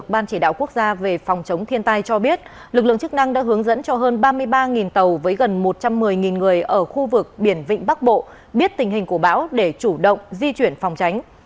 ban chỉ đạo quốc gia về phòng chống thiên tai cho biết lực lượng chức năng đã hướng dẫn cho hơn ba mươi ba tàu với gần một trăm một mươi người ở khu vực biển vịnh bắc bộ biết tình hình của bão để chủ động di chuyển phòng tránh